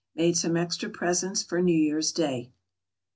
Made some extra presents for New Year's day.